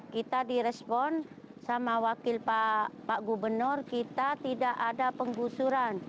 kita direspon sama wakil pak gubernur kita tidak ada penggusuran